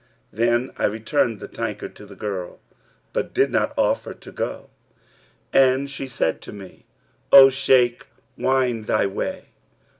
Then I returned the tankard to the girl, but did not offer to go; and she said to me, 'O Shaykh, wend thy way.'